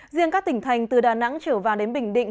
riêng các tỉnh thành từ đà nẵng trở vào đến bình định